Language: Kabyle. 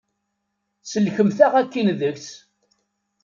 Sellkemt-aɣ akin deg-s.